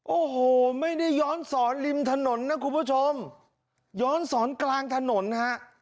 โอ้โหไม่ได้ย้อนสอนริมถนนนะคุณผู้ชมย้อนสอนกลางถนนฮะ